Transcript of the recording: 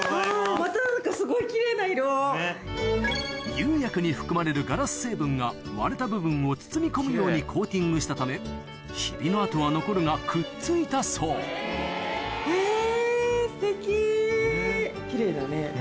釉薬に含まれるガラス成分が割れた部分を包み込むようにコーティングしたためヒビの跡は残るがくっついたそうへぇ！